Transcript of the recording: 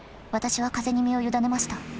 私は風に身を委ねました。